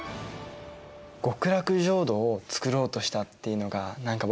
極楽浄土を作ろうとしたっていうのが何か僕びっくりしたな。